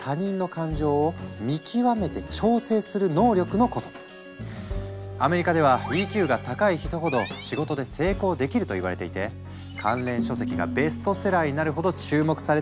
このＥＱ簡単に言うとアメリカではＥＱが高い人ほど仕事で成功できるといわれていて関連書籍がベストセラーになるほど注目されていたんだ。